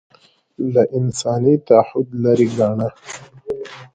له انساني تعهد لرې ګاڼه